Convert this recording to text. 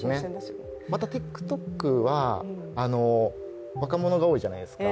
ＴｉｋＴｏｋは若者が多いじゃないですか。